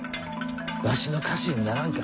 わしの家臣にならんか？